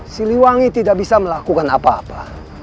siliwangi tidak bisa melakukan apa apa